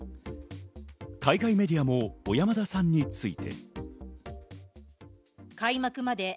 海外メディアも小山田さんについて。